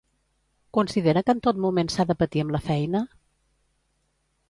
Considera que en tot moment s'ha de patir amb la feina?